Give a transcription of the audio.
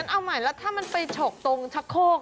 เอาใหม่แล้วถ้ามันไปฉกตรงชะโคก